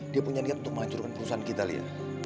dia punya niat untuk menghancurkan perusahaan kita lihat